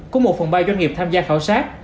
của một phần ba doanh nghiệp tham gia khảo sát